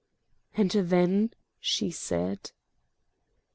"And then?" she said.